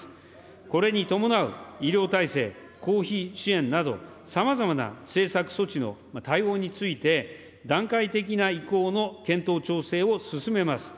これに伴う医療体制、公費支援など、さまざまな政策・措置の対応について、段階的な移行の検討・調整を進めます。